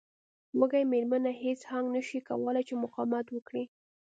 وږې میرمن هیج هاګ نشوای کولی چې مقاومت وکړي